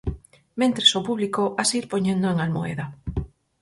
Mentres, o público hase ir poñendo en almoeda.